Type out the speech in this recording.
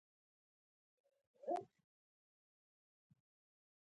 ایا زه باید ودریږم؟